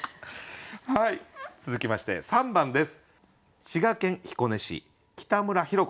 続きまして３番です。